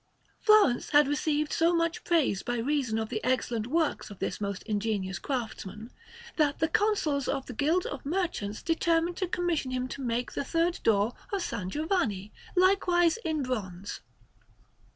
Florence had received so much praise by reason of the excellent works of this most ingenious craftsman, that the Consuls of the Guild of Merchants determined to commission him to make the third door of S. Giovanni, likewise in bronze.